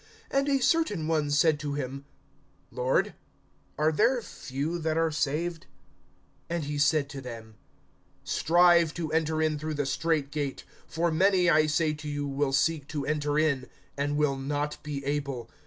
(23)And a certain one said to him: Lord, are there few that are saved? (24)And he said to them: Strive to enter in through the strait gate; for many, I say to you, will seek to enter in, and will not be able.